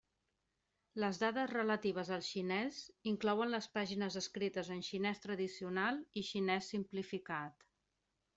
Les dades relatives al xinès inclouen les pàgines escrites en xinès tradicional i xinès simplificat.